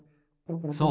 そう。